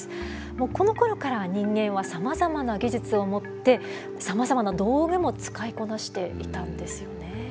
このころから人間はさまざまな技術を持ってさまざまな道具も使いこなしていたんですよね。